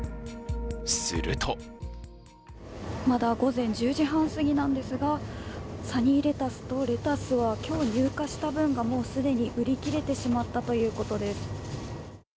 するとまだ午前１０時半すぎなんですが、サニーレタスとレタスは今日、入荷した分がもう既に売り切れてしまったということです。